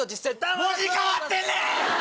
文字変わってんねん！